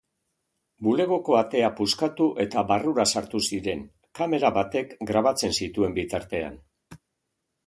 Bulegoko atea puskatu eta barrura sartu ziren, kamera batek grabatzen zituen bitartean.